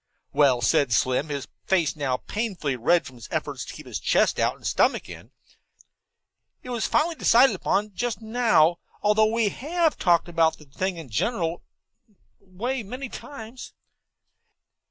"Well," said Slim, his face now painfully red from his efforts to keep chest out and stomach in, "it was finally decided upon just now, although we have talked about the thing in a general way many times."